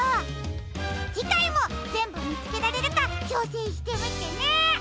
じかいもぜんぶみつけられるかちょうせんしてみてね！